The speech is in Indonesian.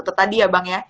itu tadi ya bang ya